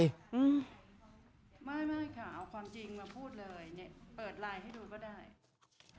อืมไม่ไม่ค่ะเอาความจริงมาพูดเลยเนี้ยเปิดไลน์ให้ดูก็ได้